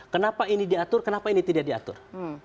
kenapa ini diatur kenapa ini tidak diatur